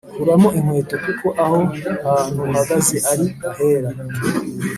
Kuramo inkweto kuko aho hantu uhagaze ari ahera